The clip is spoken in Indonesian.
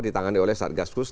ditangani oleh satgas khusus